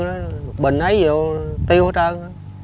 lục bình ấy vô tiêu hết trơn